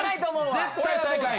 絶対最下位。